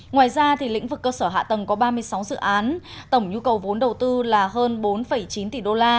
ngoài ra lĩnh vực cơ sở hạ tầng có ba mươi sáu dự án tổng nhu cầu vốn đầu tư là hơn bốn chín tỷ đô la